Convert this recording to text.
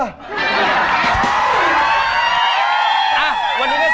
วันนี้ได้๒ชีวิต